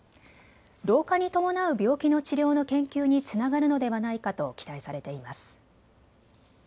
老化に伴う病気の治療の研究につながるのではないかと期待されています。